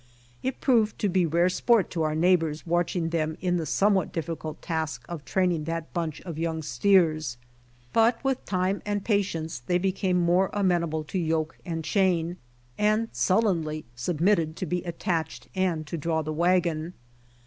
It proved to be rare sport to our neighbors watching them in, the some what difficult task of training that bunch of young steers. But with time and patience they became more PREPARATIONS FOR A JOURNEY 3 amenable to yoke and chain, and sullenly submitted to be attached and to draw the wagon.